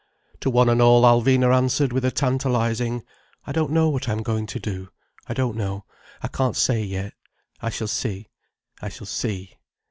To one and all Alvina answered with a tantalizing: "I don't know what I'm going to do. I don't know. I can't say yet. I shall see. I shall see."